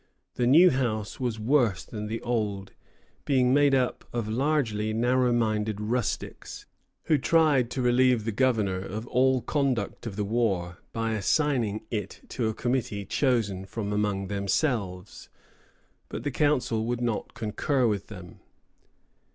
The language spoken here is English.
The new House was worse than the old, being made up largely of narrow minded rustics, who tried to relieve the governor of all conduct of the war by assigning it to a committee chosen from among themselves; but the Council would not concur with them.